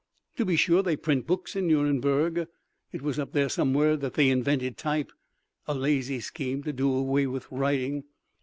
To be sure, they print books in Nuremberg. It was up there somewhere that they invented type, a lazy scheme to do away with writing.